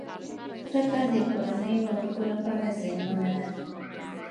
کرکه د کورنیو اړیکو لپاره زیانمنه ده.